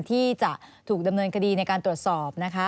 ที่จะถูกดำเนินคดีในการตรวจสอบนะคะ